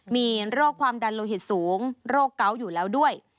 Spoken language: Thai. มีโรคความดันโลหิตสูงโรคเกาะอยู่แล้วด้วย